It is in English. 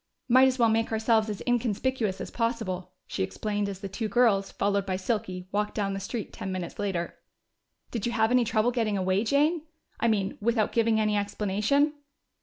"Might as well make ourselves as inconspicuous as possible," she explained, as the two girls, followed by Silky, walked down the street ten minutes later. "Did you have any trouble getting away, Jane? I mean, without giving any explanation?"